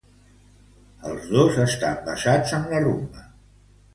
Els dos estan basats en la rumba.